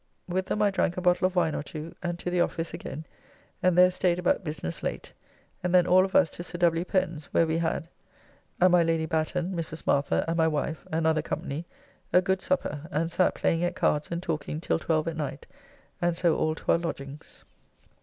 With them I drank a bottle of wine or two, and to the office again, and there staid about business late, and then all of us to Sir W. Pen's, where we had, and my Lady Batten, Mrs. Martha, and my wife, and other company, a good supper, and sat playing at cards and talking till 12 at night, and so all to our lodgings.